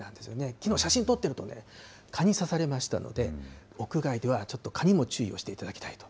きのう、写真撮ってるとね、蚊に刺されましたので、屋外ではちょっと蚊にも注意をしていただきたいと。